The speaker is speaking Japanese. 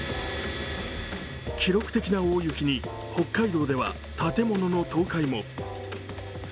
記録的な大雪に、北海道では建物の崩壊も。